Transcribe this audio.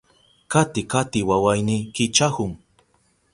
Kati kati wawayni kichahun.